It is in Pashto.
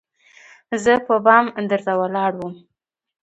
زه په بام درته ولاړه وم